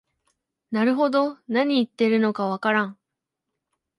なるほど、なに言ってるのかわからん